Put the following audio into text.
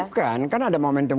bukan kan ada momentum